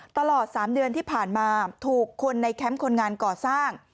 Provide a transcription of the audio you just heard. ตลอด๓เดือนที่ผ่านมาถูกคนในแคมป์คนงานก่อสร้าง